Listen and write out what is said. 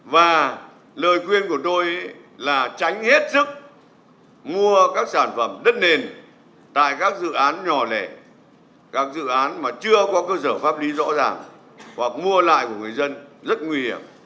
và lời khuyên của tôi là tránh hết sức mua các sản phẩm đất nền tại các dự án nhỏ lẻ các dự án mà chưa có cơ sở pháp lý rõ ràng hoặc mua lại của người dân rất nguy hiểm